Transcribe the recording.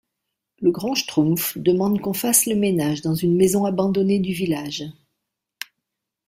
Le Grand Schtroumpf demande qu'on fasse le ménage dans une maison abandonnée du village.